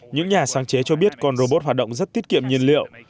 những nhà sáng chế cho biết con robot hoạt động rất tiết kiệm nhiên liệu